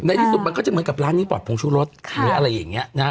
ในที่สุดมันก็จะเหมือนกับร้านนี้ปอดผงชุรสอะไรอย่างนี้นะครับ